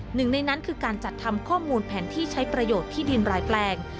หนึ่งในนั้นคือการจัดทำข้อมูลแผนที่ใช้ประโยชน์ที่ดินรายแปลง